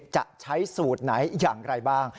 จะใช้สูตรไหนอย่างไรบ้าง